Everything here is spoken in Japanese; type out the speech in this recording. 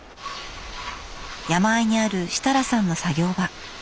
山あいにある設楽さんの作業場。